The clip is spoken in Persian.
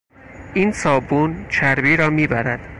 این صابون چربی را میبرد.